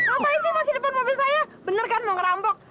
eh ngapain sih masih depan mobil saya bener kan mau ngerampok